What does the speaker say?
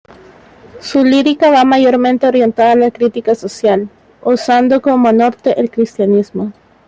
Su lírica va mayormente orientada a la critica social, usando como norte el cristianismo.